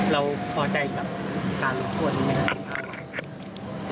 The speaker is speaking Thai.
เราขอใจกับตัวละคร